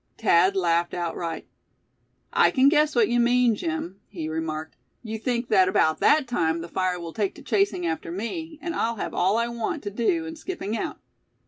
Thad laughed outright. "I can guess what you mean, Jim," he remarked. "You think that about that time the fire will take to chasing after me, and I'll have all I want to do in skipping out.